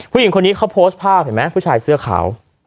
ผู้หญิงคนนี้เขาโพสต์ภาพเห็นไหมผู้ชายเสื้อขาว